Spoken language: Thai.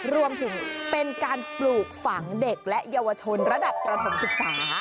รวมถึงเป็นการปลูกฝังเด็กและเยาวชนระดับประถมศึกษา